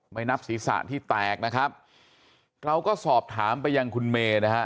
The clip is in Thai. นับศีรษะที่แตกนะครับเราก็สอบถามไปยังคุณเมย์นะฮะ